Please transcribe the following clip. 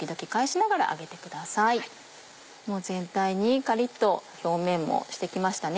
全体にカリっと表面もしてきましたね。